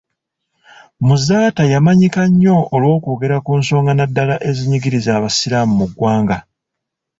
Muzaata yamanyika nnyo olw'okwogera ku nsonga naddala ezinyigiriza abasiraamu mu ggwanga.